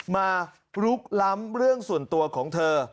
ลุกล้ำเรื่องส่วนตัวของเธอ